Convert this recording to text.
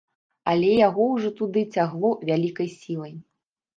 Але яго ўжо туды цягло вялікай сілай.